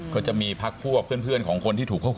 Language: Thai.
ก็จะมีพักพวกเพื่อนของคนที่ถูกควบคุม